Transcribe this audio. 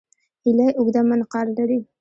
هیلۍ اوږده منقار لري